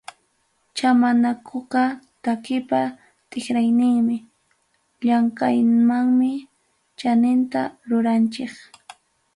Chamanakuqa takipa tikrayninmi, llamkaywanmi chaninta ruranchik.